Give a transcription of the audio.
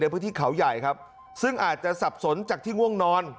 พื้นที่เขาใหญ่ครับซึ่งอาจจะสับสนจากที่ง่วงนอน